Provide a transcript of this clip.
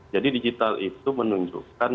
jadi digital itu menunjukkan